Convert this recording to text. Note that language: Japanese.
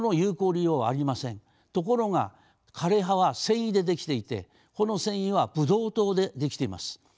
ところが枯れ葉は繊維で出来ていてこの繊維はブドウ糖で出来ています。